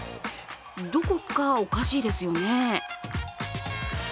どこかおかしいですよね？